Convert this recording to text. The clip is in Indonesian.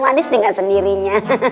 manis dengan sendirinya